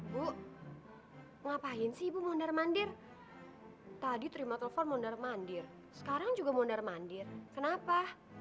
bu ngapain sih ibu mondar mandir tadi terima telepon mondar mandir sekarang juga mondar mandir kenapa